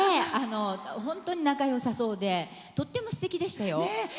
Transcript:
本当に仲よさそうでとってもすてきでしたよ。